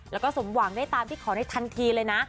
แล้วก็สมหวังได้ตามที่ขอได้ทันทีเลยนะ